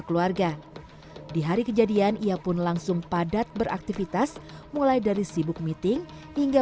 keluarga di hari kejadian ia pun langsung padat beraktivitas mulai dari sibuk meeting hingga